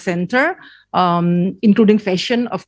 untuk menjadi pusat halal global